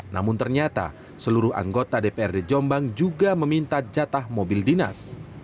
namun ternyata seluruh anggota dprd jombang juga meminta jatah mobil dinas